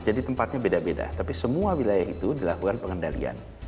jadi tempatnya beda beda tapi semua wilayah itu dilakukan pengendalian